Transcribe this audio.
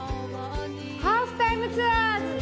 『ハーフタイムツアーズ』。